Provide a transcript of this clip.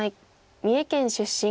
三重県出身。